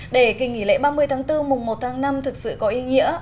để kỳ nghỉ lễ ba mươi tháng bốn mùng một tháng năm thực sự có ý nghĩa